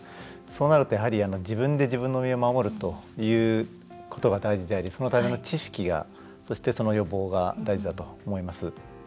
そうなると、やはり自分で自分の身を守ることが大事でありそのための知識が、その予防が大事だと思います。